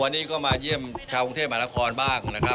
วันนี้ก็มาเยี่ยมชาวกรุงเทพมหานครบ้างนะครับ